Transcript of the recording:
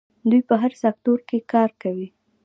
دوی په هر سکتور کې کار کوي.